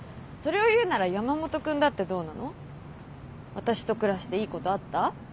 私と暮らしていいことあった？